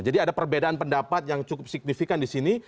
jadi ada perbedaan pendapat yang cukup signifikan disini